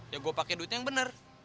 ya gue pake duitnya yang bener